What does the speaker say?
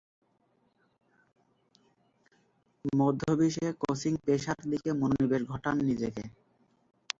মধ্য-বিশে coaching পেশার দিকে মনোনিবেশ ঘটান নিজেকে।